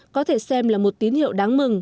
có thể xem là một tín hiệu đáng mừng